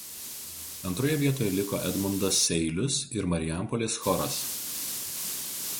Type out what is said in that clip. Antroje vietoje liko Edmundas Seilius ir Marijampolės choras.